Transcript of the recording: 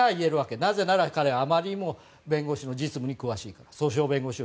なぜなら彼はあまりにも訴訟弁護士の実務に詳しいから。